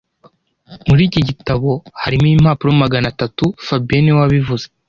Muri iki gitabo harimo impapuro magana atatu fabien niwe wabivuze